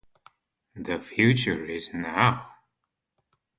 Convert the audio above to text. The future is now.